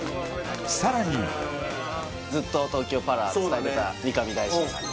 さらにずっと東京パラ伝えてた三上大進さんです